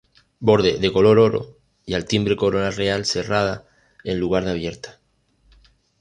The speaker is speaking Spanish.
Borde de color oro y al timbre corona real cerrada en lugar de abierta.